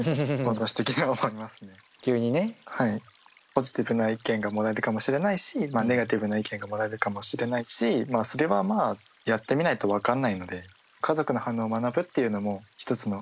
ポジティブな意見がもらえるかもしれないしネガティブな意見がもらえるかもしれないしそれはまあやってみないとわかんないので思い切って。